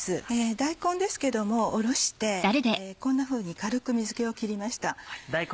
大根ですけどもおろしてこんなふうに軽く水気を切りました。